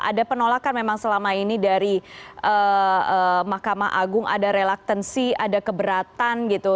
ada penolakan memang selama ini dari mahkamah agung ada relaktansi ada keberatan gitu